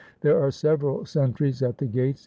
There are several sentries at the gates.